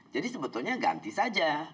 jadi sebetulnya ganti saja